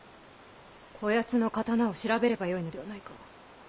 こやつの刀を調べればよいのではないか？